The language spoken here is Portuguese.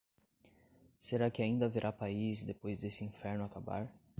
Será que ainda haverá país depois desse inferno acabar?